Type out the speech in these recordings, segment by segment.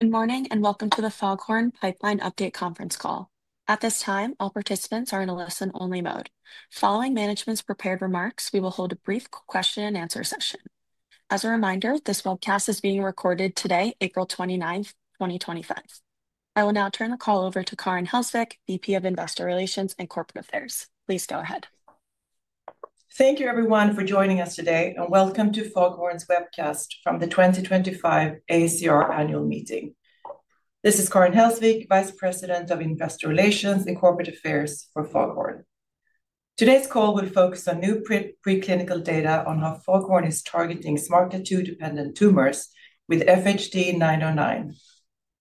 Good morning and welcome to the Foghorn Pipeline Update conference call. At this time, all participants are in a listen-only mode. Following management's prepared remarks, we will hold a brief question-and-answer session. As a reminder, this webcast is being recorded today, April 29, 2025. I will now turn the call over to Karin Hellsvik, Vice President of Investor Relations and Corporate Affairs. Please go ahead. Thank you, everyone, for joining us today, and welcome to Foghorn's webcast from the 2025 AACR annual meeting. This is Karin Hellsvik, Vice President of Investor Relations and Corporate Affairs for Foghorn. Today's call will focus on new preclinical data on how Foghorn is targeting SMARCA2-dependent tumors with FHD-909,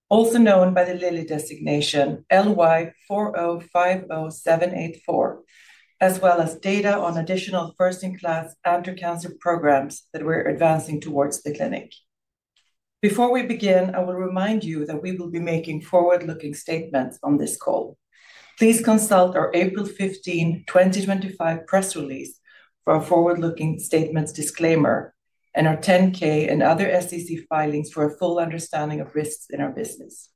also known by the Lilly designation LY4050784, as well as data on additional first-in-class anti-cancer programs that we're advancing towards the clinic. Before we begin, I will remind you that we will be making forward-looking statements on this call. Please consult our April 15, 2025 press release for our forward-looking statements disclaimer and our 10-K and other SEC filings for a full understanding of risks in our business.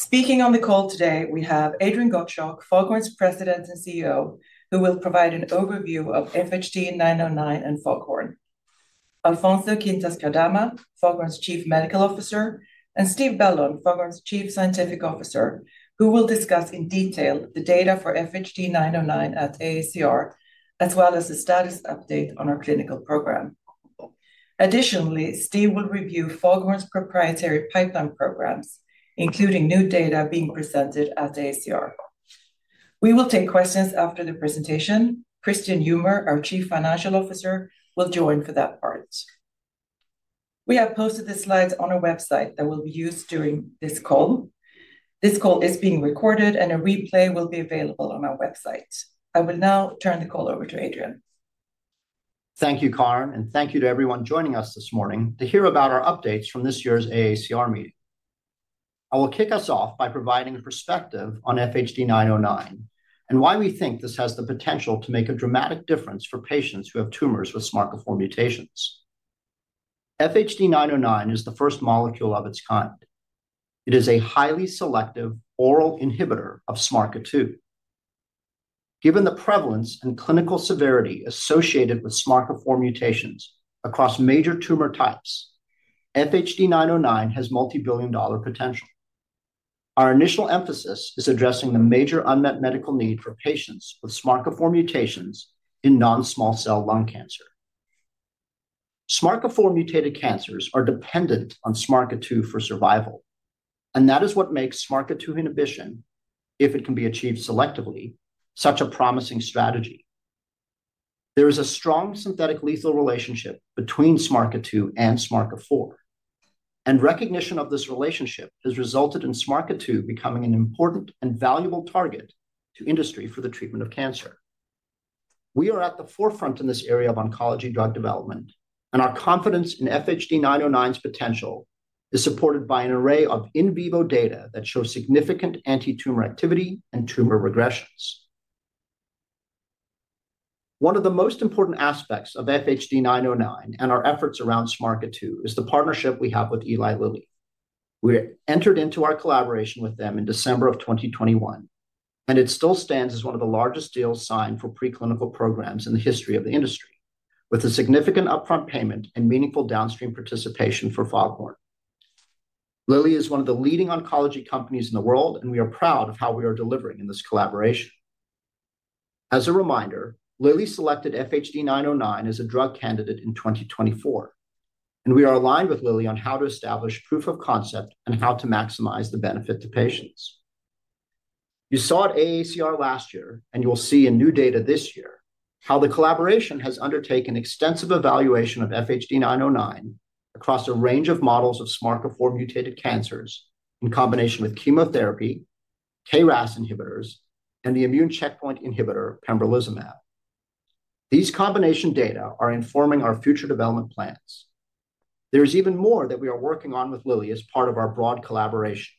Speaking on the call today, we have Adrian Gottschalk, Foghorn's President and CEO, who will provide an overview of FHD-909 and Foghorn. Alfonso Quintas-Cardama, Foghorn's Chief Medical Officer, and Steve Bellon, Foghorn's Chief Scientific Officer, who will discuss in detail the data for FHD909 at AACR, as well as the status update on our clinical program. Additionally, Steve will review Foghorn's proprietary pipeline programs, including new data being presented at AACR. We will take questions after the presentation. Christian Humer, our Chief Financial Officer, will join for that part. We have posted the slides on our website that will be used during this call. This call is being recorded, and a replay will be available on our website. I will now turn the call over to Adrian. Thank you, Karin, and thank you to everyone joining us this morning to hear about our updates from this year's AACR meeting. I will kick us off by providing a perspective on FHD909 and why we think this has the potential to make a dramatic difference for patients who have tumors with SMARCA4 mutations. FHD909 is the first molecule of its kind. It is a highly selective oral inhibitor of SMARCA2. Given the prevalence and clinical severity associated with SMARCA4 mutations across major tumor types, FHD909 has multibillion-dollar potential. Our initial emphasis is addressing the major unmet medical need for patients with SMARCA4 mutations in non-small cell lung cancer. SMARCA4-mutated cancers are dependent on SMARCA2 for survival, and that is what makes SMARCA2 inhibition, if it can be achieved selectively, such a promising strategy. There is a strong synthetic-lethal relationship between SMARCA2 and SMARCA4, and recognition of this relationship has resulted in SMARCA2 becoming an important and valuable target to industry for the treatment of cancer. We are at the forefront in this area of oncology drug development, and our confidence in FHD909's potential is supported by an array of in vivo data that shows significant anti-tumor activity and tumor regressions. One of the most important aspects of FHD909 and our efforts around SMARCA2 is the partnership we have with Eli Lilly. We entered into our collaboration with them in December of 2021, and it still stands as one of the largest deals signed for preclinical programs in the history of the industry, with a significant upfront payment and meaningful downstream participation for Foghorn. Lilly is one of the leading oncology companies in the world, and we are proud of how we are delivering in this collaboration. As a reminder, Lilly selected FHD909 as a drug candidate in 2024, and we are aligned with Lilly on how to establish proof of concept and how to maximize the benefit to patients. You saw at AACR last year, and you will see in new data this year how the collaboration has undertaken extensive evaluation of FHD909 across a range of models of SMARCA4-mutated cancers in combination with chemotherapy, KRAS inhibitors, and the immune checkpoint inhibitor pembrolizumab. These combination data are informing our future development plans. There is even more that we are working on with Lilly as part of our broad collaboration.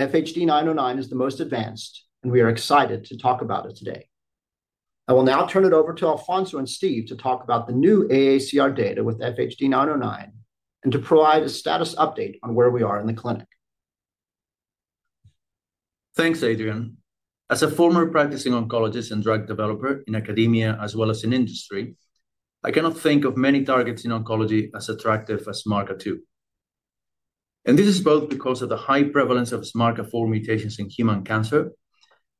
FHD909 is the most advanced, and we are excited to talk about it today. I will now turn it over to Alfonso and Steve to talk about the new AACR data with FHD909 and to provide a status update on where we are in the clinic. Thanks, Adrian. As a former practicing oncologist and drug developer in academia as well as in industry, I cannot think of many targets in oncology as attractive as SMARCA2. This is both because of the high prevalence of SMARCA4 mutations in human cancer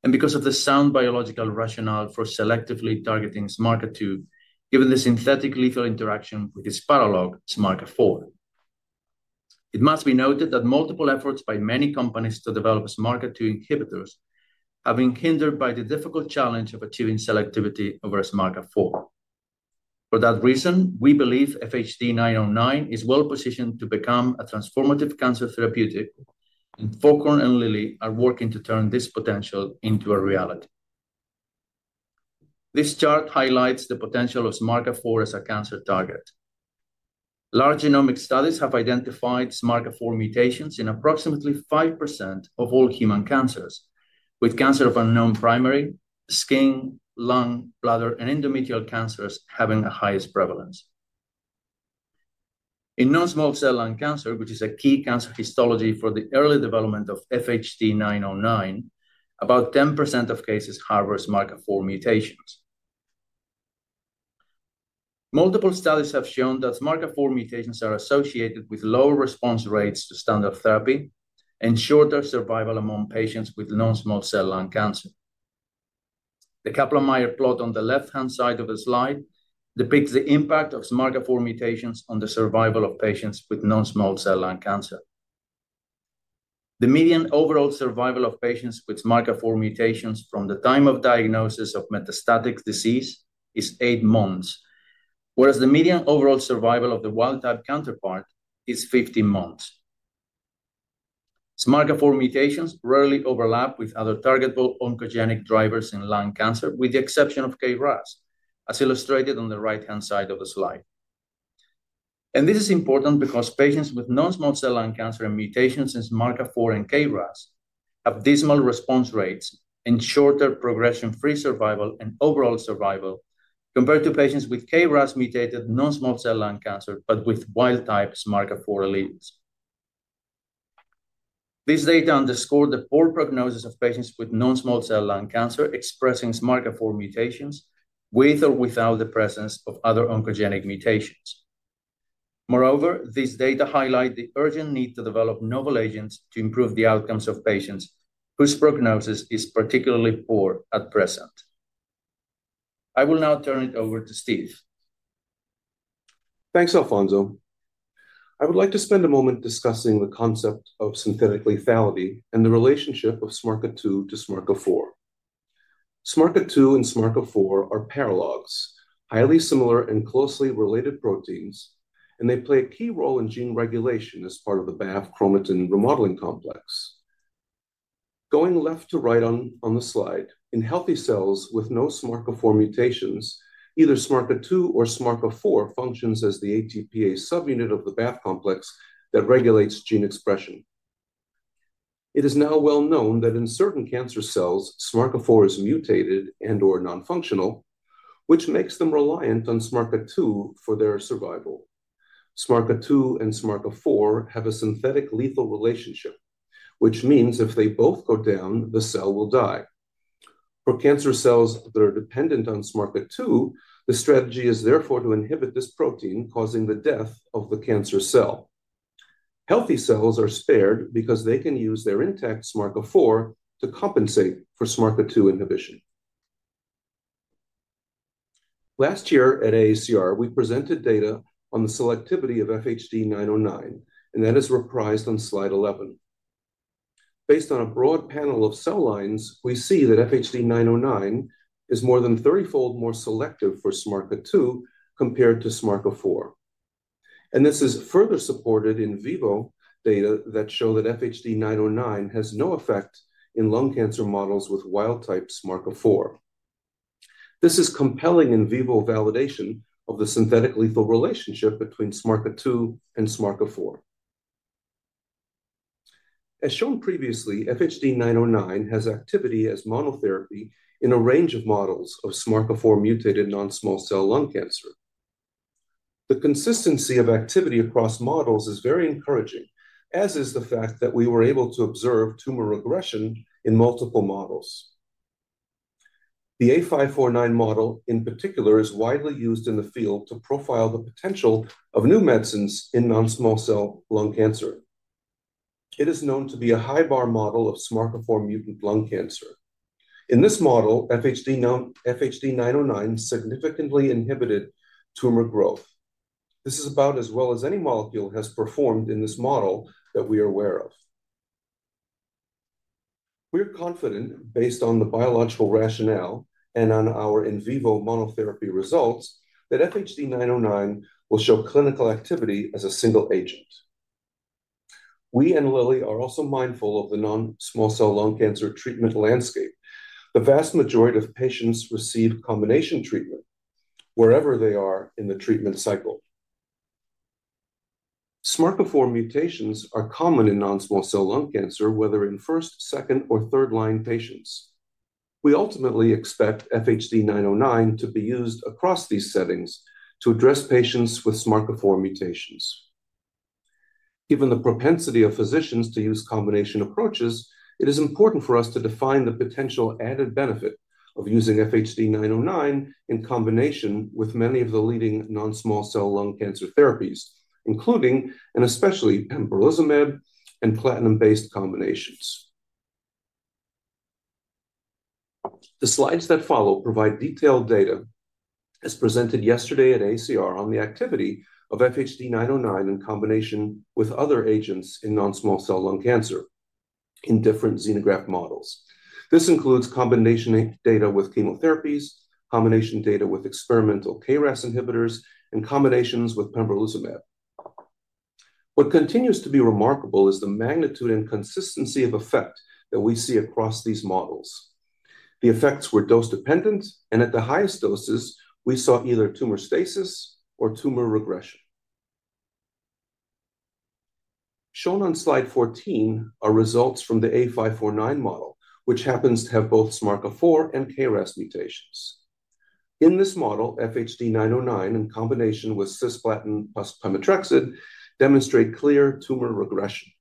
and because of the sound biological rationale for selectively targeting SMARCA2 given the synthetic-lethal interaction with its parallel, SMARCA4. It must be noted that multiple efforts by many companies to develop SMARCA2 inhibitors have been hindered by the difficult challenge of achieving selectivity over SMARCA4. For that reason, we believe FHD909 is well-positioned to become a transformative cancer therapeutic, and Foghorn and Lilly are working to turn this potential into a reality. This chart highlights the potential of SMARCA4 as a cancer target. Large genomic studies have identified SMARCA4 mutations in approximately 5% of all human cancers, with cancer of unknown primary, skin, lung, bladder, and endometrial cancers having the highest prevalence. In non-small cell lung cancer, which is a key cancer histology for the early development of FHD909, about 10% of cases harbor SMARCA4 mutations. Multiple studies have shown that SMARCA4 mutations are associated with lower response rates to standard therapy and shorter survival among patients with non-small cell lung cancer. The Kaplan-Meier plot on the left-hand side of the slide depicts the impact of SMARCA4 mutations on the survival of patients with non-small cell lung cancer. The median overall survival of patients with SMARCA4 mutations from the time of diagnosis of metastatic disease is eight months, whereas the median overall survival of the wild-type counterpart is 15 months. SMARCA4 mutations rarely overlap with other targetable oncogenic drivers in lung cancer, with the exception of KRAS, as illustrated on the right-hand side of the slide. This is important because patients with non-small cell lung cancer and mutations in SMARCA4 and KRAS have dismal response rates and shorter progression-free survival and overall survival compared to patients with KRAS-mutated non-small cell lung cancer but with wild-type SMARCA4 alleles. This data underscored the poor prognosis of patients with non-small cell lung cancer expressing SMARCA4 mutations with or without the presence of other oncogenic mutations. Moreover, these data highlight the urgent need to develop novel agents to improve the outcomes of patients whose prognosis is particularly poor at present. I will now turn it over to Steve. Thanks, Alfonso. I would like to spend a moment discussing the concept of synthetic lethality and the relationship of SMARCA2 to SMARCA4. SMARCA2 and SMARCA4 are paralogs, highly similar and closely related proteins, and they play a key role in gene regulation as part of the BAF chromatin remodeling complex. Going left to right on the slide, in healthy cells with no SMARCA4 mutations, either SMARCA2 or SMARCA4 functions as the ATPase subunit of the BAF complex that regulates gene expression. It is now well known that in certain cancer cells, SMARCA4 is mutated and/or nonfunctional, which makes them reliant on SMARCA2 for their survival. SMARCA2 and SMARCA4 have a synthetic-lethal relationship, which means if they both go down, the cell will die. For cancer cells that are dependent on SMARCA2, the strategy is therefore to inhibit this protein, causing the death of the cancer cell. Healthy cells are spared because they can use their intact SMARCA4 to compensate for SMARCA2 inhibition. Last year at AACR, we presented data on the selectivity of FHD909, and that is reprised on slide 11. Based on a broad panel of cell lines, we see that FHD909 is more than 30-fold more selective for SMARCA2 compared to SMARCA4. This is further supported in vivo data that show that FHD909 has no effect in lung cancer models with wild-type SMARCA4. This is compelling in vivo validation of the synthetic-lethal relationship between SMARCA2 and SMARCA4. As shown previously, FHD909 has activity as monotherapy in a range of models of SMARCA4-mutated non-small cell lung cancer. The consistency of activity across models is very encouraging, as is the fact that we were able to observe tumor regression in multiple models. The A549 model, in particular, is widely used in the field to profile the potential of new medicines in non-small cell lung cancer. It is known to be a high-bar model of SMARCA4-mutant lung cancer. In this model, FHD909 significantly inhibited tumor growth. This is about as well as any molecule has performed in this model that we are aware of. We are confident, based on the biological rationale and on our in vivo monotherapy results, that FHD909 will show clinical activity as a single agent. We and Lilly are also mindful of the non-small cell lung cancer treatment landscape. The vast majority of patients receive combination treatment wherever they are in the treatment cycle. SMARCA4 mutations are common in non-small cell lung cancer, whether in first, second, or third-line patients. We ultimately expect FHD909 to be used across these settings to address patients with SMARCA4 mutations. Given the propensity of physicians to use combination approaches, it is important for us to define the potential added benefit of using FHD909 in combination with many of the leading non-small cell lung cancer therapies, including and especially pembrolizumab and platinum-based combinations. The slides that follow provide detailed data, as presented yesterday at AACR, on the activity of FHD909 in combination with other agents in non-small cell lung cancer in different xenograft models. This includes combination data with chemotherapies, combination data with experimental KRAS inhibitors, and combinations with pembrolizumab. What continues to be remarkable is the magnitude and consistency of effect that we see across these models. The effects were dose-dependent, and at the highest doses, we saw either tumor stasis or tumor regression. Shown on slide 14 are results from the A549 model, which happens to have both SMARCA4 and KRAS mutations. In this model, FHD909 in combination with cisplatin plus pemetrexed demonstrate clear tumor regression.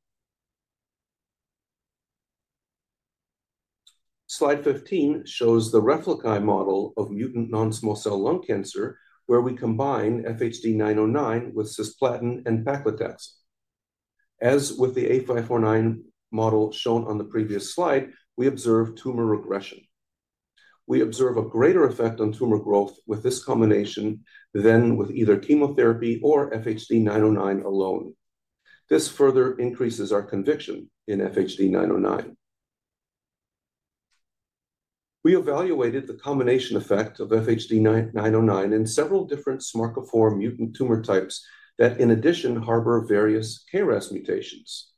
Slide 15 shows the replica model of mutant non-small cell lung cancer, where we combine FHD909 with cisplatin and paclitaxel. As with the A549 model shown on the previous slide, we observe tumor regression. We observe a greater effect on tumor growth with this combination than with either chemotherapy or FHD909 alone. This further increases our conviction in FHD909. We evaluated the combination effect of FHD909 in several different SMARCA4 mutant tumor types that, in addition, harbor various KRAS mutations.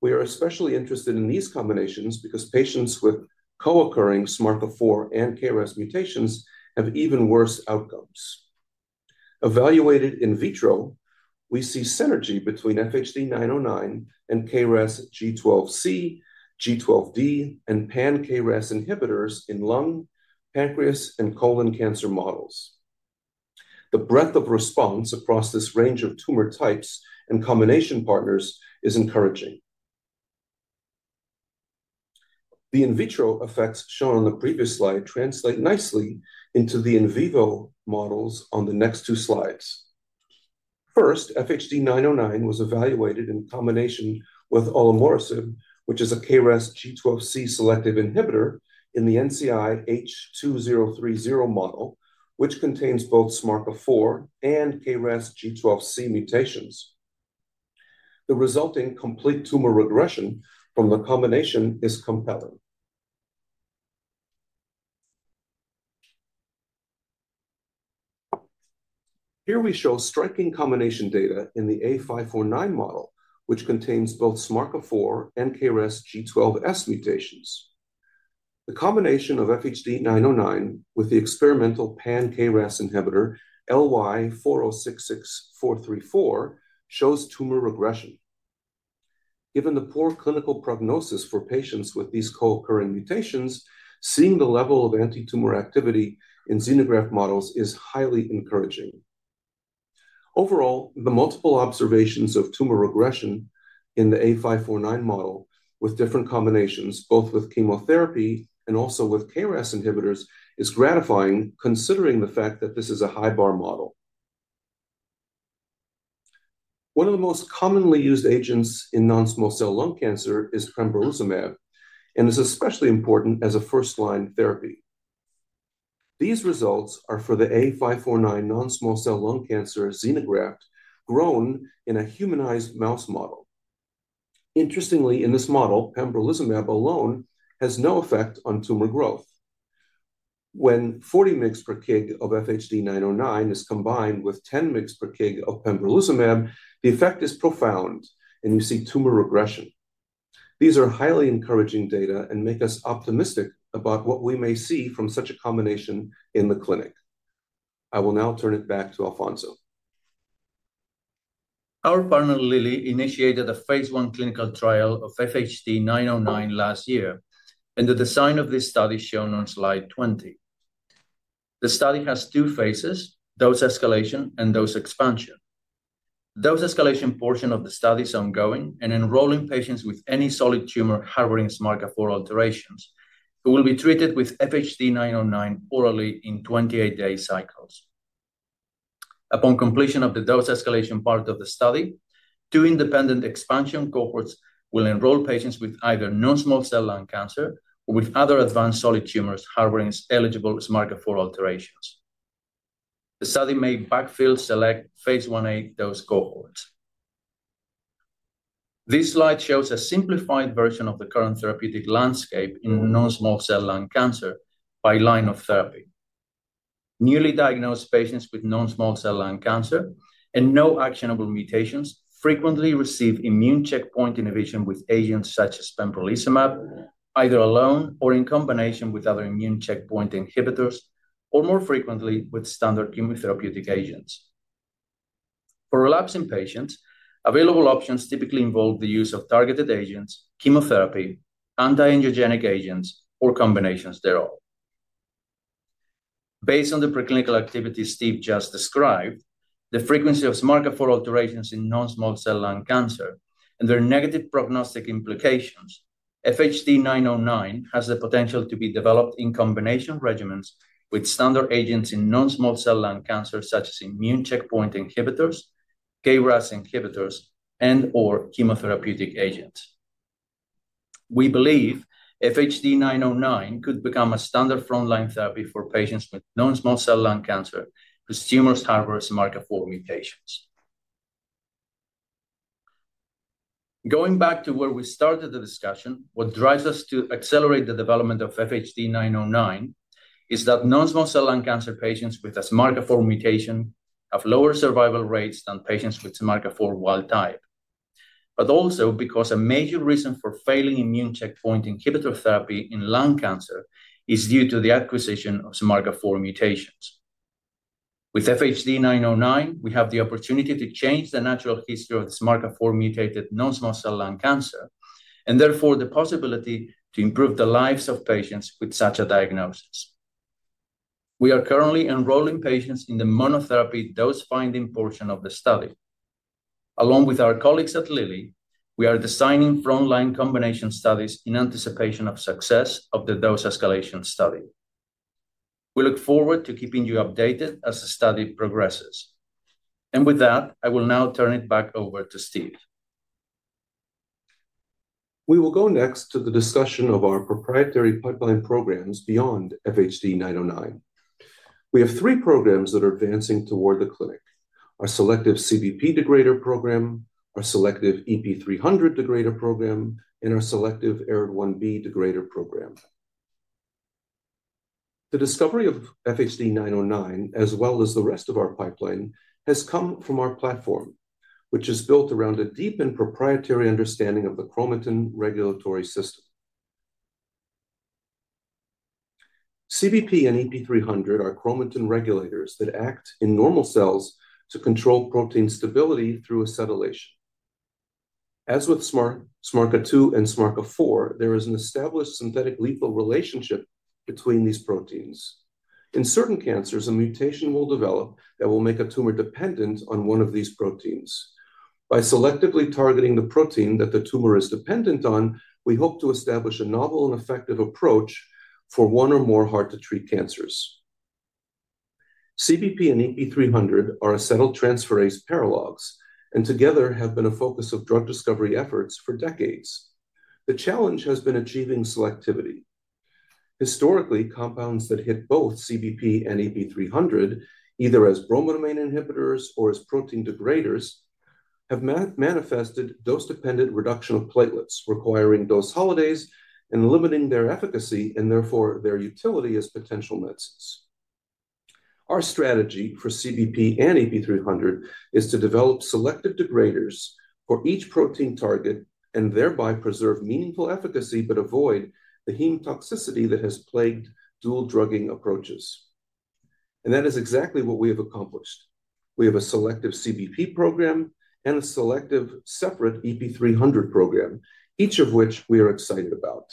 We are especially interested in these combinations because patients with co-occurring SMARCA4 and KRAS mutations have even worse outcomes. Evaluated in vitro, we see synergy between FHD909 and KRAS G12C, G12D, and pan-KRAS inhibitors in lung, pancreas, and colon cancer models. The breadth of response across this range of tumor types and combination partners is encouraging. The in vitro effects shown on the previous slide translate nicely into the in vivo models on the next two slides. First, FHD909 was evaluated in combination with olomorasib, which is a KRAS G12C selective inhibitor, in the NCI-H2030 model, which contains both SMARCA4 and KRAS G12C mutations. The resulting complete tumor regression from the combination is compelling. Here we show striking combination data in the A549 model, which contains both SMARCA4 and KRAS G12S mutations. The combination of FHD909 with the experimental pan-KRAS inhibitor LY4066434 shows tumor regression. Given the poor clinical prognosis for patients with these co-occurring mutations, seeing the level of anti-tumor activity in xenograft models is highly encouraging. Overall, the multiple observations of tumor regression in the A549 model with different combinations, both with chemotherapy and also with KRAS inhibitors, is gratifying, considering the fact that this is a high-bar model. One of the most commonly used agents in non-small cell lung cancer is pembrolizumab, and it's especially important as a first-line therapy. These results are for the A549 non-small cell lung cancer xenograft grown in a humanized mouse model. Interestingly, in this model, pembrolizumab alone has no effect on tumor growth. When 40 mg/kg of FHD909 is combined with 10 mg/kg of pembrolizumab, the effect is profound, and you see tumor regression. These are highly encouraging data and make us optimistic about what we may see from such a combination in the clinic. I will now turn it back to Alfonso. Our partner, Lilly, initiated a phase one clinical trial of FHD909 last year, and the design of this study is shown on slide 20. The study has two phases: dose escalation and dose expansion. The dose escalation portion of the study is ongoing, and enrolling patients with any solid tumor harboring SMARCA4 alterations will be treated with FHD909 orally in 28-day cycles. Upon completion of the dose escalation part of the study, two independent expansion cohorts will enroll patients with either non-small cell lung cancer or with other advanced solid tumors harboring eligible SMARCA4 alterations. The study may backfill select phase 1a dose cohorts. This slide shows a simplified version of the current therapeutic landscape in non-small cell lung cancer by line of therapy. Newly diagnosed patients with non-small cell lung cancer and no actionable mutations frequently receive immune checkpoint inhibition with agents such as pembrolizumab, either alone or in combination with other immune checkpoint inhibitors, or more frequently with standard chemotherapeutic agents. For relapsing patients, available options typically involve the use of targeted agents, chemotherapy, anti-angiogenic agents, or combinations thereof. Based on the preclinical activity Steve just described, the frequency of SMARCA4 alterations in non-small cell lung cancer and their negative prognostic implications, FHD909 has the potential to be developed in combination regimens with standard agents in non-small cell lung cancer, such as immune checkpoint inhibitors, KRAS inhibitors, and/or chemotherapeutic agents. We believe FHD909 could become a standard front-line therapy for patients with non-small cell lung cancer whose tumors harbor SMARCA4 mutations. Going back to where we started the discussion, what drives us to accelerate the development of FHD909 is that non-small cell lung cancer patients with a SMARCA4 mutation have lower survival rates than patients with SMARCA4 wild type. Also, because a major reason for failing immune checkpoint inhibitor therapy in lung cancer is due to the acquisition of SMARCA4 mutations. With FHD909, we have the opportunity to change the natural history of SMARCA4-mutated non-small cell lung cancer and therefore the possibility to improve the lives of patients with such a diagnosis. We are currently enrolling patients in the monotherapy dose-finding portion of the study. Along with our colleagues at Lilly, we are designing front-line combination studies in anticipation of success of the dose escalation study. We look forward to keeping you updated as the study progresses. With that, I will now turn it back over to Steve. We will go next to the discussion of our proprietary pipeline programs beyond FHD909. We have three programs that are advancing toward the clinic: our selective CBP degrader program, our selective EP300 degrader program, and our selective ARID1B degrader program. The discovery of FHD909, as well as the rest of our pipeline, has come from our platform, which is built around a deep and proprietary understanding of the chromatin regulatory system. CBP and EP300 are chromatin regulators that act in normal cells to control protein stability through acetylation. As with SMARCA2 and SMARCA4, there is an established synthetic-lethal relationship between these proteins. In certain cancers, a mutation will develop that will make a tumor dependent on one of these proteins. By selectively targeting the protein that the tumor is dependent on, we hope to establish a novel and effective approach for one or more hard-to-treat cancers. CBP and EP300 are acetyltransferase paralogs and together have been a focus of drug discovery efforts for decades. The challenge has been achieving selectivity. Historically, compounds that hit both CBP and EP300, either as bromodomain inhibitors or as protein degraders, have manifested dose-dependent reduction of platelets, requiring dose holidays and limiting their efficacy and therefore their utility as potential medicines. Our strategy for CBP and EP300 is to develop selective degraders for each protein target and thereby preserve meaningful efficacy but avoid the heme toxicity that has plagued dual-drugging approaches. That is exactly what we have accomplished. We have a selective CBP program and a selective separate EP300 program, each of which we are excited about.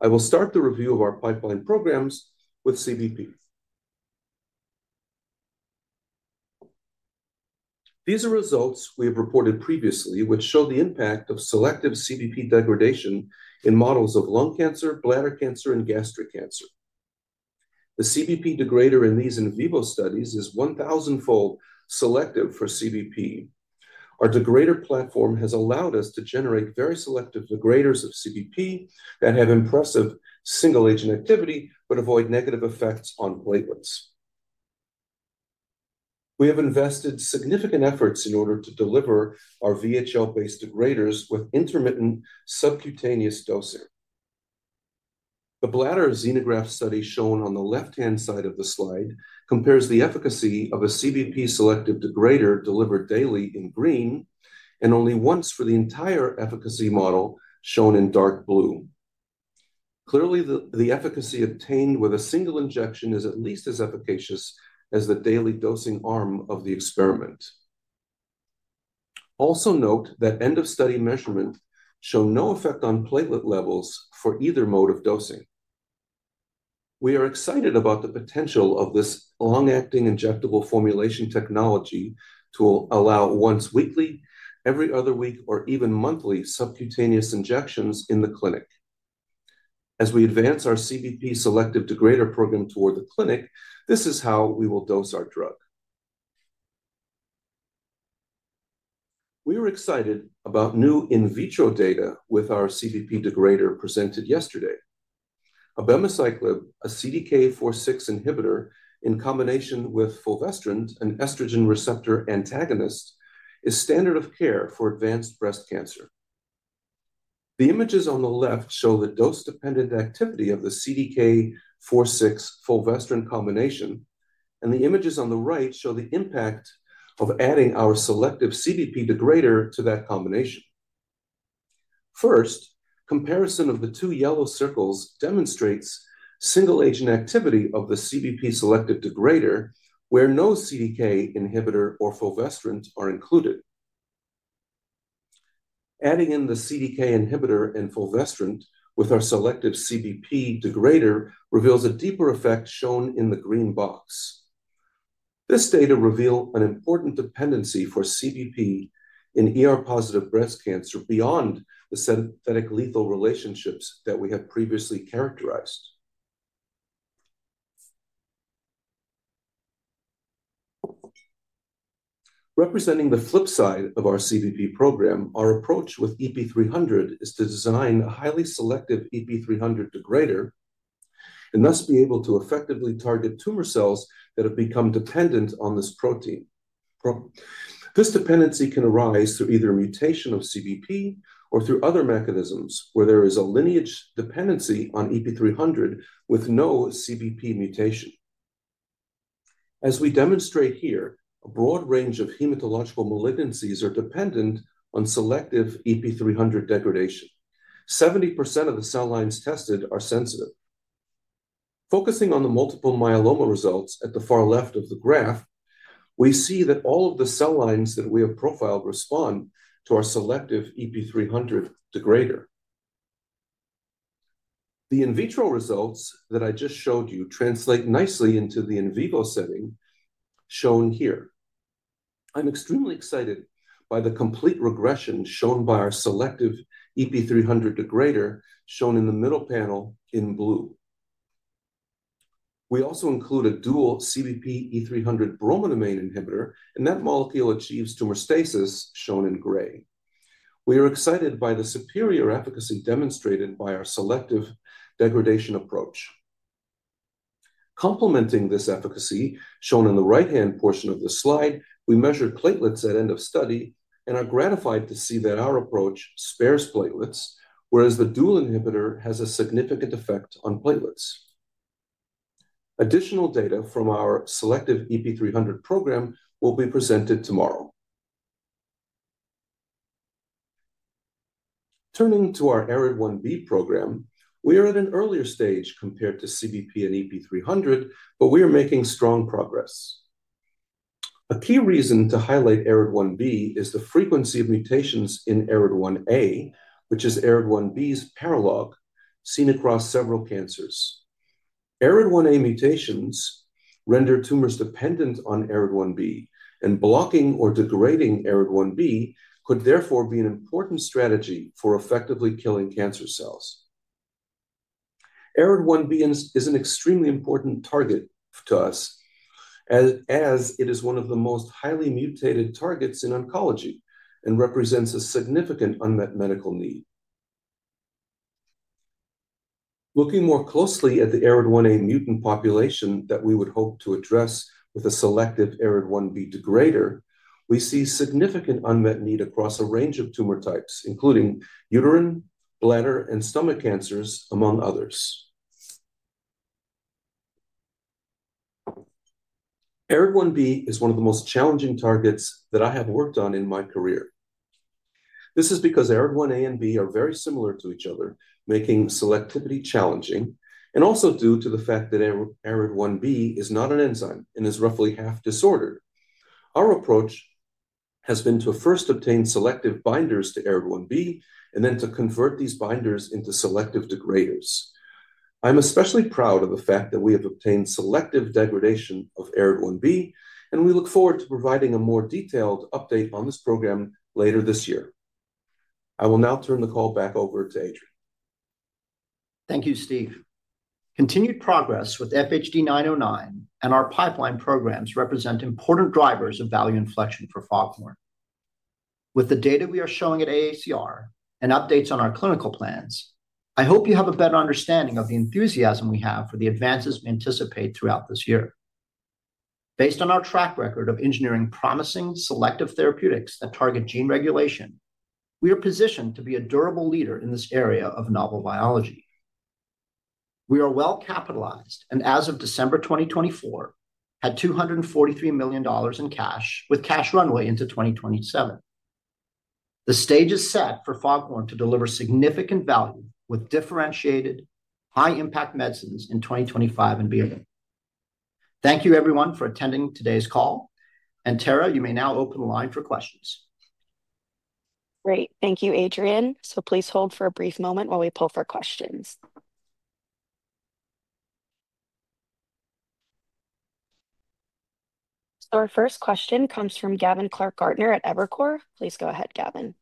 I will start the review of our pipeline programs with CBP. These are results we have reported previously, which show the impact of selective CBP degradation in models of lung cancer, bladder cancer, and gastric cancer. The CBP degrader in these in vivo studies is 1,000-fold selective for CBP. Our degrader platform has allowed us to generate very selective degraders of CBP that have impressive single-agent activity but avoid negative effects on platelets. We have invested significant efforts in order to deliver our VHL-based degraders with intermittent subcutaneous dosing. The bladder xenograft study shown on the left-hand side of the slide compares the efficacy of a CBP selective degrader delivered daily in green and only once for the entire efficacy model shown in dark blue. Clearly, the efficacy obtained with a single injection is at least as efficacious as the daily dosing arm of the experiment. Also note that end-of-study measurements show no effect on platelet levels for either mode of dosing. We are excited about the potential of this long-acting injectable formulation technology to allow once weekly, every other week, or even monthly subcutaneous injections in the clinic. As we advance our CBP selective degrader program toward the clinic, this is how we will dose our drug. We are excited about new in vitro data with our CBP degrader presented yesterday. Abemaciclib, a CDK4/6 inhibitor in combination with fulvestrant and estrogen receptor antagonist, is standard of care for advanced breast cancer. The images on the left show the dose-dependent activity of the CDK4/6 fulvestrant combination, and the images on the right show the impact of adding our selective CBP degrader to that combination. First, comparison of the two yellow circles demonstrates single-agent activity of the CBP selective degrader where no CDK inhibitor or fulvestrant are included. Adding in the CDK inhibitor and fulvestrant with our selective CBP degrader reveals a deeper effect shown in the green box. This data reveals an important dependency for CBP in ER-positive breast cancer beyond the synthetic-lethal relationships that we have previously characterized. Representing the flip side of our CBP program, our approach with EP300 is to design a highly selective EP300 degrader and thus be able to effectively target tumor cells that have become dependent on this protein. This dependency can arise through either mutation of CBP or through other mechanisms where there is a lineage dependency on EP300 with no CBP mutation. As we demonstrate here, a broad range of hematological malignancies are dependent on selective EP300 degradation. 70% of the cell lines tested are sensitive. Focusing on the multiple myeloma results at the far left of the graph, we see that all of the cell lines that we have profiled respond to our selective EP300 degrader. The in vitro results that I just showed you translate nicely into the in vivo setting shown here. I'm extremely excited by the complete regression shown by our selective EP300 degrader shown in the middle panel in blue. We also include a dual CBP EP300 bromodomain inhibitor, and that molecule achieves tumor stasis shown in gray. We are excited by the superior efficacy demonstrated by our selective degradation approach. Complementing this efficacy shown in the right-hand portion of the slide, we measured platelets at end-of-study and are gratified to see that our approach spares platelets, whereas the dual inhibitor has a significant effect on platelets. Additional data from our selective EP300 program will be presented tomorrow. Turning to our ARID1B program, we are at an earlier stage compared to CBP and EP300, but we are making strong progress. A key reason to highlight ARID1B is the frequency of mutations in ARID1A, which is ARID1B's paralog seen across several cancers. ARID1A mutations render tumors dependent on ARID1B, and blocking or degrading ARID1B could therefore be an important strategy for effectively killing cancer cells. ARID1B is an extremely important target to us, as it is one of the most highly mutated targets in oncology and represents a significant unmet medical need. Looking more closely at the ARID1A mutant population that we would hope to address with a selective ARID1B degrader, we see significant unmet need across a range of tumor types, including uterine, bladder, and stomach cancers, among others. ARID1B is one of the most challenging targets that I have worked on in my career. This is because ARID1A and ARID1B are very similar to each other, making selectivity challenging, and also due to the fact that ARID1B is not an enzyme and is roughly half-disordered. Our approach has been to first obtain selective binders to ARID1B and then to convert these binders into selective degraders. I'm especially proud of the fact that we have obtained selective degradation of ARID1B, and we look forward to providing a more detailed update on this program later this year. I will now turn the call back over to Adrian. Thank you, Steve. Continued progress with FHD909 and our pipeline programs represent important drivers of value inflection for Foghorn. With the data we are showing at AACR and updates on our clinical plans, I hope you have a better understanding of the enthusiasm we have for the advances we anticipate throughout this year. Based on our track record of engineering promising selective therapeutics that target gene regulation, we are positioned to be a durable leader in this area of novel biology. We are well capitalized and, as of December 2024, had $243 million in cash with cash runway into 2027. The stage is set for Foghorn to deliver significant value with differentiated, high-impact medicines in 2025 and beyond. Thank you, everyone, for attending today's call. Tara, you may now open the line for questions. Great. Thank you, Adrian. Please hold for a brief moment while we pull for questions. Our first question comes from Gavin Clark Gartner at Evercore. Please go ahead, Gavin.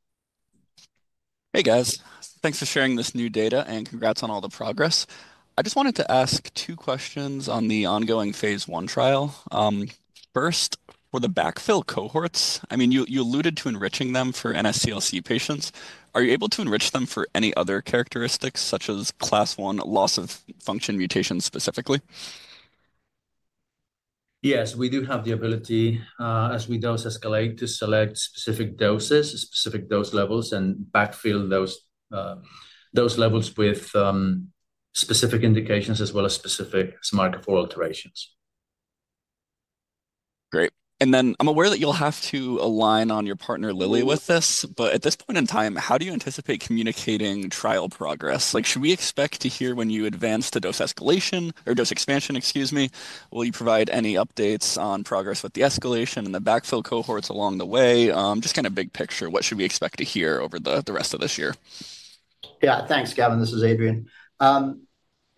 Hey, guys. Thanks for sharing this new data and congrats on all the progress. I just wanted to ask two questions on the ongoing phase one trial. First, for the backfill cohorts, I mean, you alluded to enriching them for NSCLC patients. Are you able to enrich them for any other characteristics, such as class one loss of function mutations specifically? Yes, we do have the ability, as we dose escalate, to select specific doses, specific dose levels, and backfill those levels with specific indications as well as specific SMARCA4 alterations. Great. I'm aware that you'll have to align on your partner, Lilly, with this, but at this point in time, how do you anticipate communicating trial progress? Should we expect to hear when you advance the dose escalation or dose expansion, excuse me, will you provide any updates on progress with the escalation and the backfill cohorts along the way? Just kind of big picture, what should we expect to hear over the rest of this year? Yeah, thanks, Gavin. This is Adrian.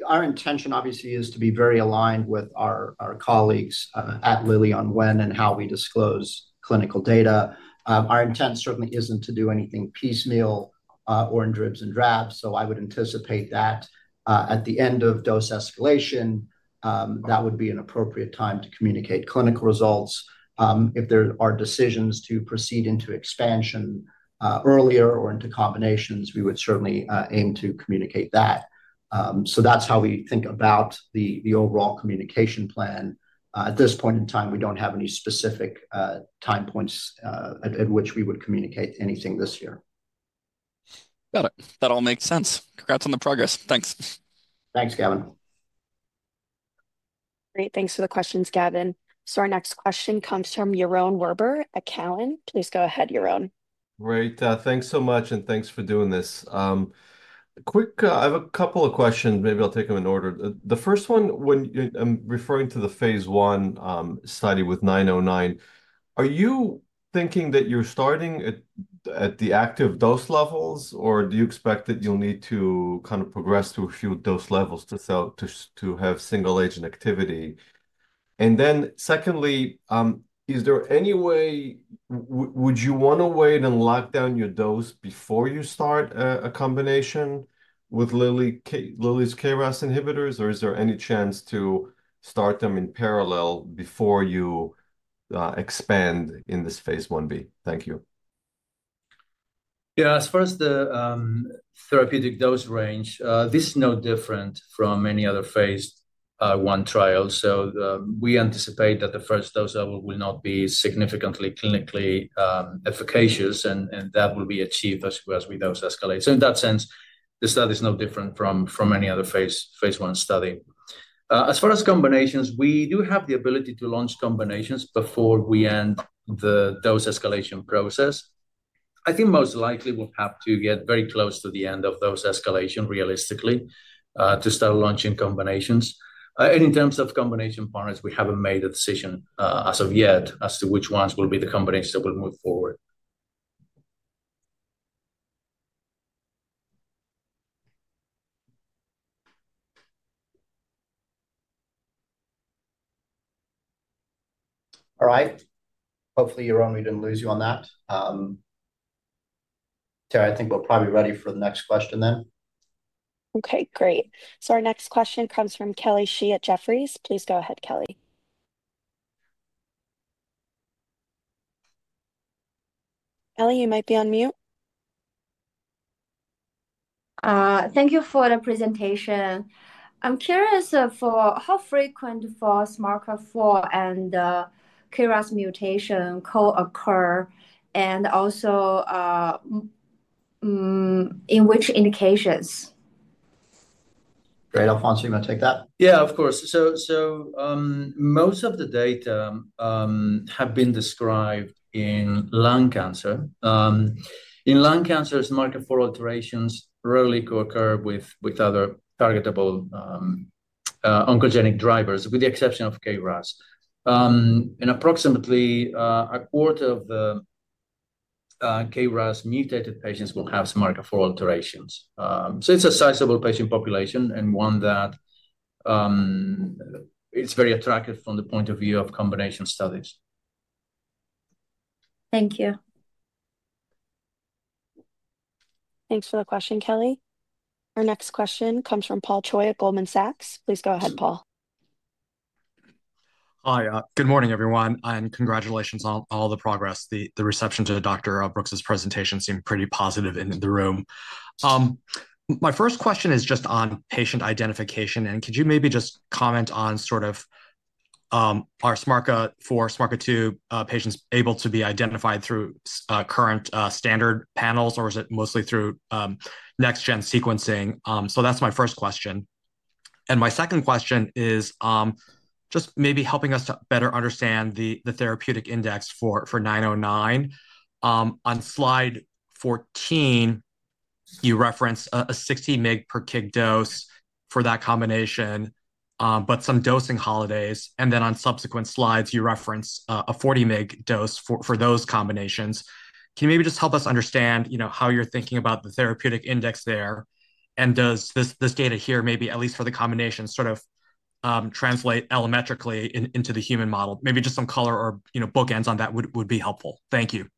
Our intention, obviously, is to be very aligned with our colleagues at Lilly on when and how we disclose clinical data. Our intent certainly isn't to do anything piecemeal or in dribs and drabs, so I would anticipate that at the end of dose escalation, that would be an appropriate time to communicate clinical results. If there are decisions to proceed into expansion earlier or into combinations, we would certainly aim to communicate that. That is how we think about the overall communication plan. At this point in time, we don't have any specific time points at which we would communicate anything this year. Got it. That all makes sense. Congrats on the progress. Thanks. Thanks, Gavin. Great. Thanks for the questions, Gavin. Our next question comes from Yaron Werber at Cowen. Please go ahead, Yaron. Great. Thanks so much, and thanks for doing this. Quick, I have a couple of questions. Maybe I'll take them in order. The first one, when I'm referring to the phase one study with 909, are you thinking that you're starting at the active dose levels, or do you expect that you'll need to kind of progress to a few dose levels to have single-agent activity? Secondly, is there any way would you want to wait and lock down your dose before you start a combination with Lilly's KRAS inhibitors, or is there any chance to start them in parallel before you expand in this phase one B? Thank you. Yeah, as far as the therapeutic dose range, this is no different from many other phase one trials. We anticipate that the first dose level will not be significantly clinically efficacious, and that will be achieved as we dose escalate. In that sense, this study is no different from any other phase one study. As far as combinations, we do have the ability to launch combinations before we end the dose escalation process. I think most likely we'll have to get very close to the end of dose escalation realistically to start launching combinations. In terms of combination partners, we haven't made a decision as of yet as to which ones will be the combinations that will move forward. All right. Hopefully, Yaron, we didn't lose you on that. I think we're probably ready for the next question then. Okay, great. Our next question comes from Kelly Shi at Jefferies. Please go ahead, Kelly. Kelly, you might be on mute. Thank you for the presentation. I'm curious for how frequent for SMARCA4 and KRAS mutation co-occur and also in which indications? Great. Alfonso, you want to take that? Yeah, of course. Most of the data have been described in lung cancer. In lung cancers, SMARCA4 alterations rarely co-occur with other targetable oncogenic drivers, with the exception of KRAS. Approximately a quarter of the KRAS mutated patients will have SMARCA4 alterations. It is a sizable patient population and one that is very attractive from the point of view of combination studies. Thank you. Thanks for the question, Kelly. Our next question comes from Paul Choi at Goldman Sachs. Please go ahead, Paul. Hi, good morning, everyone, and congratulations on all the progress. The reception to Dr. Brooks' presentation seemed pretty positive in the room. My first question is just on patient identification, and could you maybe just comment on sort of are SMARCA4, SMARCA2 patients able to be identified through current standard panels, or is it mostly through next-gen sequencing? That is my first question. My second question is just maybe helping us to better understand the therapeutic index for 909. On slide 14, you reference a 60 mg per kg dose for that combination, but some dosing holidays. On subsequent slides, you reference a 40 mg dose for those combinations. Can you maybe just help us understand how you're thinking about the therapeutic index there? Does this data here, maybe at least for the combination, sort of translate allometrically into the human model? Maybe just some color or bookends on that would be helpful. Thank you.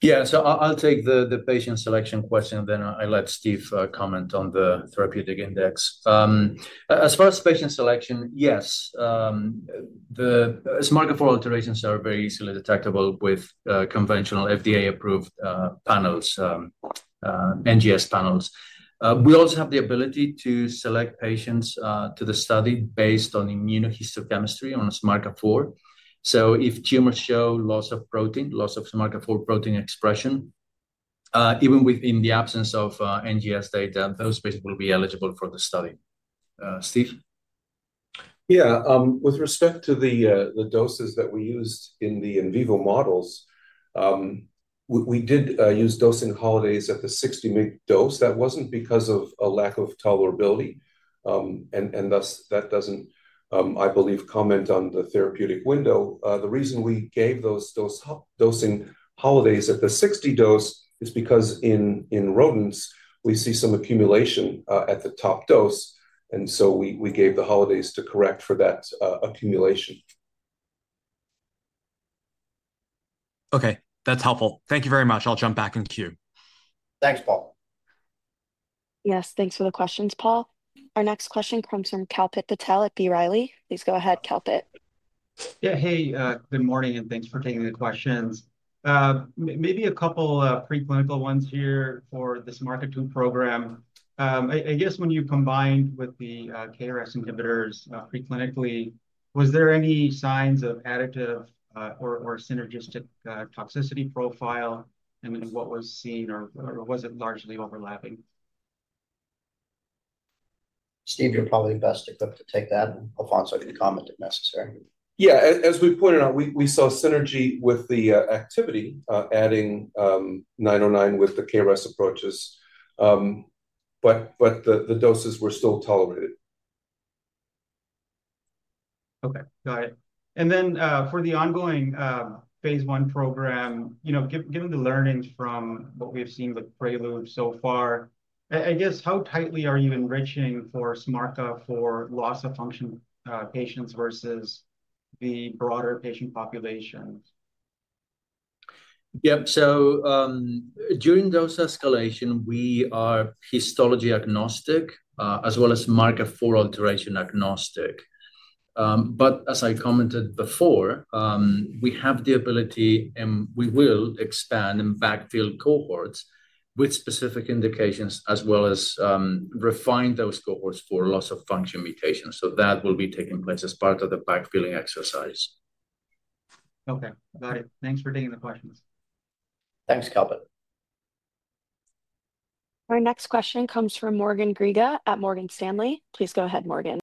Yeah, so I'll take the patient selection question, then I'll let Steve comment on the therapeutic index. As far as patient selection, yes, the SMARCA4 alterations are very easily detectable with conventional FDA-approved panels, NGS panels. We also have the ability to select patients to the study based on immunohistochemistry on SMARCA4. So if tumors show loss of protein, loss of SMARCA4 protein expression, even within the absence of NGS data, those patients will be eligible for the study. Steve? Yeah, with respect to the doses that we used in the in vivo models, we did use dosing holidays at the 60 mg dose. That was not because of a lack of tolerability, and thus that does not, I believe, comment on the therapeutic window. The reason we gave those dosing holidays at the 60 mg dose is because in rodents, we see some accumulation at the top dose, and so we gave the holidays to correct for that accumulation. Okay, that's helpful. Thank you very much. I'll jump back in queue. Thanks, Paul. Yes, thanks for the questions, Paul. Our next question comes from Kalpit Patel at B Riley. Please go ahead, Kalpit. Yeah, hey, good morning, and thanks for taking the questions. Maybe a couple of preclinical ones here for the SMARCA2 program. I guess when you combined with the KRAS inhibitors preclinically, was there any signs of additive or synergistic toxicity profile, and what was seen, or was it largely overlapping? Steve, you're probably best equipped to take that, and Alfonso can comment if necessary. Yeah, as we pointed out, we saw synergy with the activity adding 909 with the KRAS approaches, but the doses were still tolerated. Okay, got it. For the ongoing phase one program, given the learnings from what we've seen with Prelude so far, I guess how tightly are you enriching for SMARCA4 for loss of function patients versus the broader patient population? Yep, during dose escalation, we are histology agnostic as well as SMARCA4 alteration agnostic. As I commented before, we have the ability and we will expand and backfill cohorts with specific indications as well as refine those cohorts for loss of function mutations. That will be taking place as part of the backfilling exercise. Okay, got it. Thanks for taking the questions. Thanks, Kalpit. Our next question comes from Morgan Gryga at Morgan Stanley. Please go ahead, Morgan.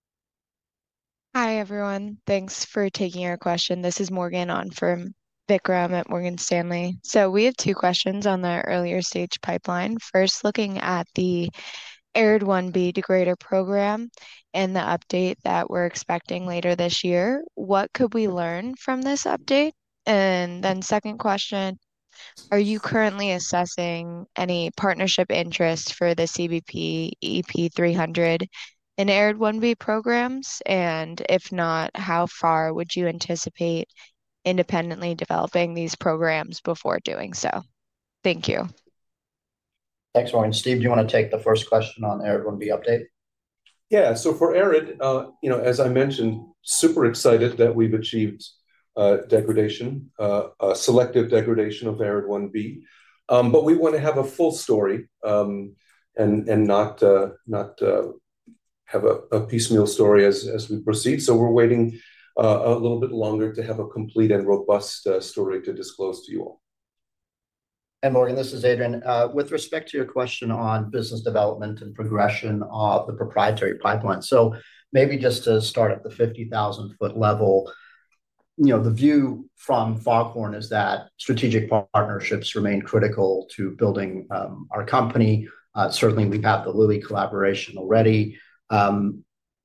Hi, everyone. Thanks for taking our question. This is Morgan on from Vikram at Morgan Stanley. We have two questions on the earlier stage pipeline. First, looking at the ARID1B degrader program and the update that we're expecting later this year, what could we learn from this update? The second question, are you currently assessing any partnership interest for the CBP EP300 and ARID1B programs? If not, how far would you anticipate independently developing these programs before doing so? Thank you. Thanks, Morgan. Steve, do you want to take the first question on ARID1B update? Yeah, for ARID, as I mentioned, super excited that we've achieved degradation, selective degradation of ARID1B. We want to have a full story and not have a piecemeal story as we proceed. We're waiting a little bit longer to have a complete and robust story to disclose to you all. Morgan, this is Adrian. With respect to your question on business development and progression of the proprietary pipeline, maybe just to start at the 50,000-foot level, the view from Foghorn is that strategic partnerships remain critical to building our company. Certainly, we've had the Lilly collaboration already.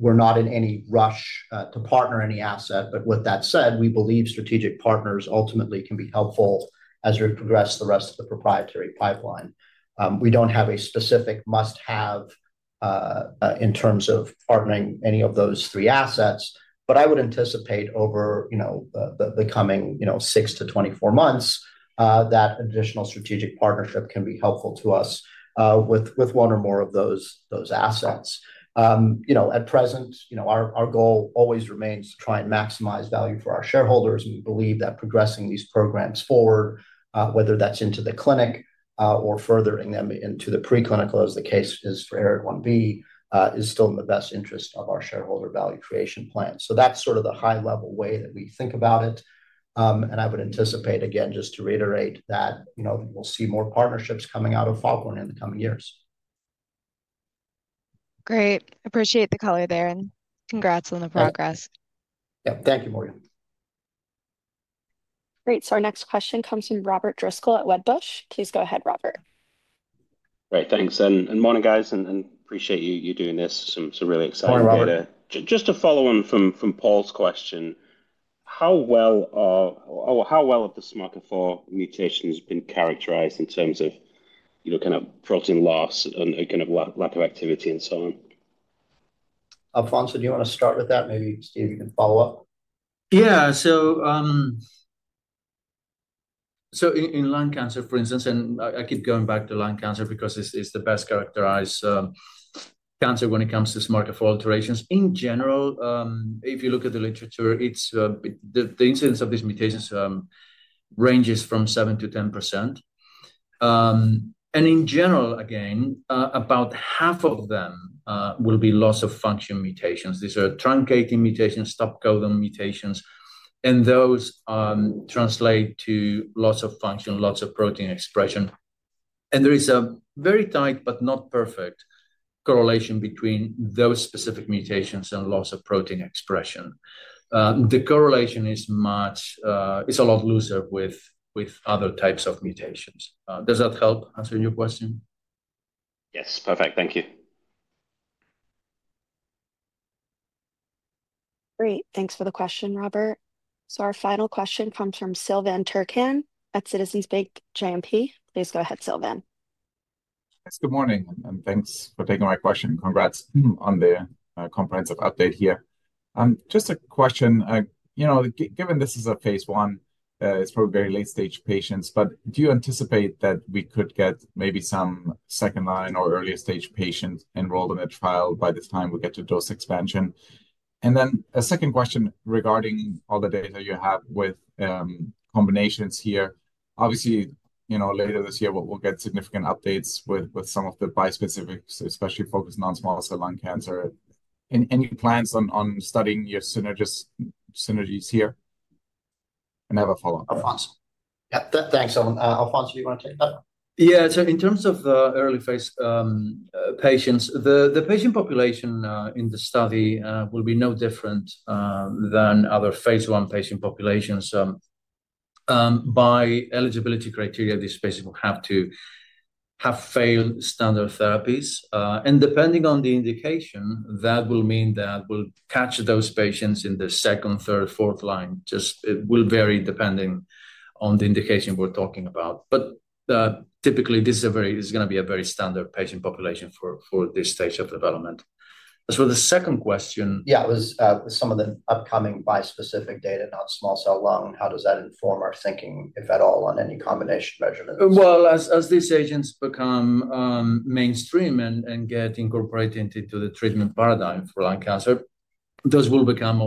We're not in any rush to partner any asset, but with that said, we believe strategic partners ultimately can be helpful as we progress the rest of the proprietary pipeline. We don't have a specific must-have in terms of partnering any of those three assets, but I would anticipate over the coming 6-24 months that additional strategic partnership can be helpful to us with one or more of those assets. At present, our goal always remains to try and maximize value for our shareholders, and we believe that progressing these programs forward, whether that's into the clinic or furthering them into the preclinical, as the case is for ARID1B, is still in the best interest of our shareholder value creation plan. That is sort of the high-level way that we think about it. I would anticipate, again, just to reiterate that we'll see more partnerships coming out of Foghorn in the coming years. Great. Appreciate the color there and congrats on the progress. Yeah, thank you, Morgan. Great. Our next question comes from Robert Driscoll at Wedbush. Please go ahead, Robert. Great, thanks. Morning, guys, and appreciate you doing this. Some really exciting data. Just a follow-on from Paul's question. How well have the SMARCA4 mutations been characterized in terms of kind of protein loss and kind of lack of activity and so on? Alfonso, do you want to start with that? Maybe Steve can follow up. Yeah, so in lung cancer, for instance, and I keep going back to lung cancer because it's the best characterized cancer when it comes to SMARCA4 alterations. In general, if you look at the literature, the incidence of these mutations ranges from 7-10%. In general, again, about half of them will be loss of function mutations. These are truncating mutations, stop-coding mutations, and those translate to loss of function, loss of protein expression. There is a very tight but not perfect correlation between those specific mutations and loss of protein expression. The correlation is a lot looser with other types of mutations. Does that help answering your question? Yes, perfect. Thank you. Great. Thanks for the question, Robert. Our final question comes from Silvan Tuerkcan at Citizens JMP. Please go ahead, Silvan. Good morning, and thanks for taking my question. Congrats on the comprehensive update here. Just a question. Given this is a phase I, it's for very late-stage patients, but do you anticipate that we could get maybe some second-line or early-stage patients enrolled in the trial by the time we get to dose expansion? A second question regarding all the data you have with combinations here. Obviously, later this year, we'll get significant updates with some of the bispecifics, especially focused on small cell lung cancer. Any plans on studying your synergies here? I have a follow-up. Alfonso. Yeah, thanks. Alfonso, do you want to take that? Yeah, so in terms of the early-phase patients, the patient population in the study will be no different than other phase one patient populations. By eligibility criteria, these patients will have to have failed standard therapies. Depending on the indication, that will mean that we'll catch those patients in the second, third, fourth line. It will vary depending on the indication we're talking about. Typically, this is going to be a very standard patient population for this stage of development. As for the second question. Yeah, it was some of the upcoming bispecific data, not small cell lung. How does that inform our thinking, if at all, on any combination measurements? As these agents become mainstream and get incorporated into the treatment paradigm for lung cancer, those will become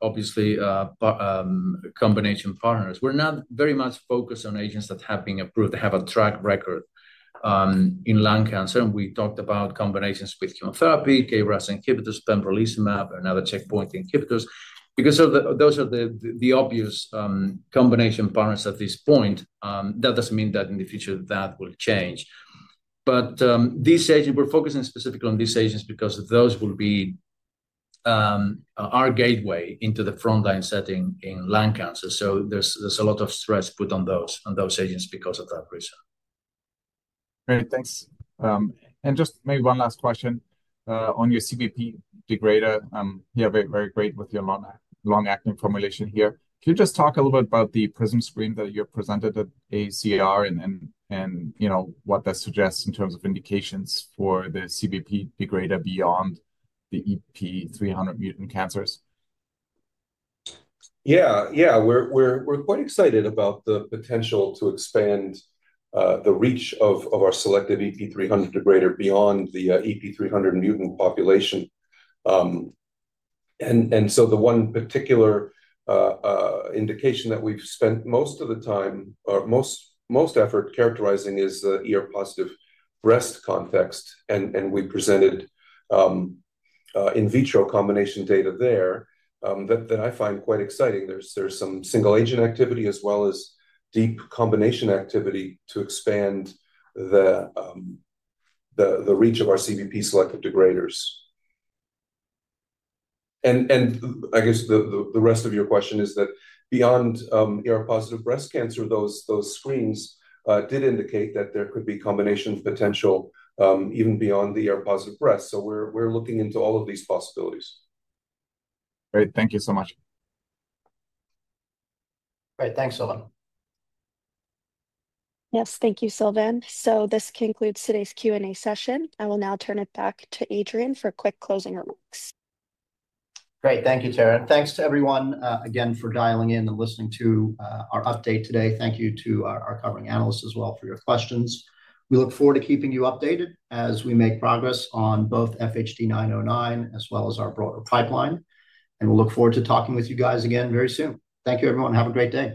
obviously combination partners. We're not very much focused on agents that have been approved, have a track record in lung cancer. We talked about combinations with chemotherapy, KRAS inhibitors, pembrolizumab, and other checkpoint inhibitors. Because those are the obvious combination partners at this point, that does not mean that in the future that will change. These agents, we're focusing specifically on these agents because those will be our gateway into the frontline setting in lung cancer. There is a lot of stress put on those agents because of that reason. Great, thanks. Maybe one last question on your CBP degrader. You have a very great with your long-acting formulation here. Can you just talk a little bit about the PRISM screen that you presented at AACR and what that suggests in terms of indications for the CBP degrader beyond the EP300 mutant cancers? Yeah, yeah, we're quite excited about the potential to expand the reach of our selective EP300 degrader beyond the EP300 mutant population. The one particular indication that we've spent most of the time or most effort characterizing is the positive breast context. We presented in vitro combination data there that I find quite exciting. There's some single-agent activity as well as deep combination activity to expand the reach of our CBP selective degraders. I guess the rest of your question is that beyond positive breast cancer, those screens did indicate that there could be combination potential even beyond the positive breast. We're looking into all of these possibilities. Great, thank you so much. Great, thanks, Silvan. Yes, thank you, Silvan. This concludes today's Q&A session. I will now turn it back to Adrian for quick closing remarks. Great, thank you, Tara. Thanks to everyone again for dialing in and listening to our update today. Thank you to our covering analysts as well for your questions. We look forward to keeping you updated as we make progress on both FHD909 as well as our broader pipeline. We look forward to talking with you guys again very soon. Thank you, everyone. Have a great day.